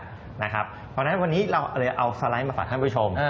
เพราะฉะนั้นวันนี้เราเลยเอาสไลด์มาฝากท่านผู้ชม